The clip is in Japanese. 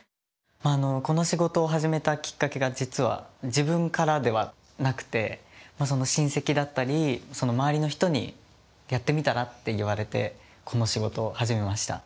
あのこの仕事を始めたきっかけが実は自分からではなくて親戚だったりその周りの人にやってみたらって言われてこの仕事を始めました。